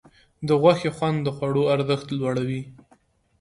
د غوښې خوند د خوړو ارزښت لوړوي.